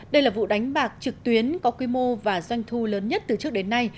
đây là vụ đánh bạc trực tuyến có quy mô và doanh thu lớn nhất từ trước đến nay